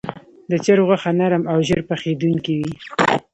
د چرګ غوښه نرم او ژر پخېدونکې وي.